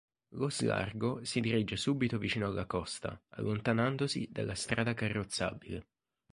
Lo slargo si dirige subito vicino alla costa, allontanandosi dalla strada carrozzabile.